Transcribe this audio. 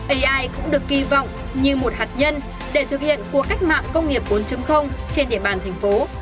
ai cũng được kỳ vọng như một hạt nhân để thực hiện cuộc cách mạng công nghiệp bốn trên địa bàn thành phố